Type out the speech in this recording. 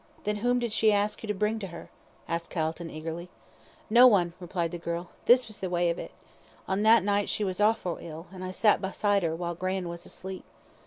"Then whom did she ask you to bring to her?" asked Calton, eagerly. "No one," replied the girl. "This was the way of it. On that night she was orfil ill, an' I sat beside 'er while gran' was asleep."